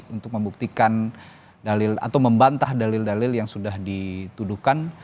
untuk membuktikan dalil atau membantah dalil dalil yang sudah dituduhkan